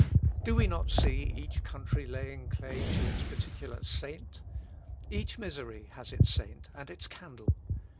Do we not see each country laying claim to its particular saint? Each misery has its saint and its candle.